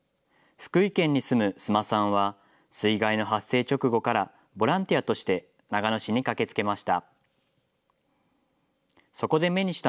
福井県に住む須磨さんは、水害の発生直後からボランティアとして長野市に駆けつけました。